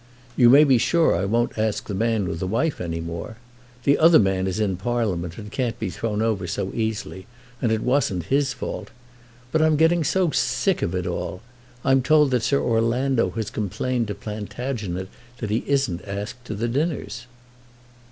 "You may be sure I won't ask the man with the wife any more. The other man is in Parliament and can't be thrown over so easily and it wasn't his fault. But I'm getting so sick of it all! I'm told that Sir Orlando has complained to Plantagenet that he isn't asked to the dinners."